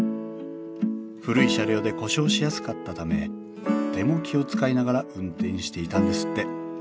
古い車両で故障しやすかったためとても気を遣いながら運転していたんですって